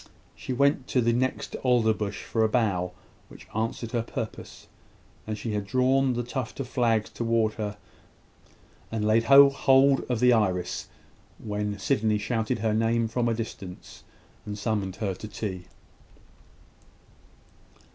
She went to the next alder bush for a bough, which answered her purpose; and she had drawn the tuft of flags towards her, and laid hold of the iris, when Sydney shouted her name from a distance, and summoned her to tea.